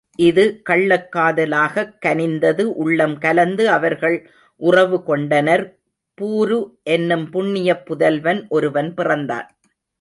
இது கள்ளக்காதலாகக் கனிந்தது உள்ளம் கலந்து அவர்கள் உறவு கொண்டனர், பூரு என்னும் புண்ணியப் புதல்வன் ஒருவன் பிறந்தான்.